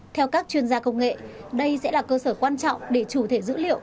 theo các chuyên gia công nghệ đây sẽ là cơ sở quan trọng để chủ thể dữ liệu